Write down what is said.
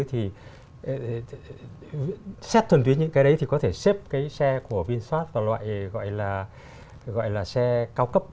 thì xét thuần tuyến những cái đấy thì có thể xếp cái xe của vinfast là loại gọi là xe cao cấp